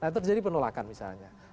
nah terjadi penolakan misalnya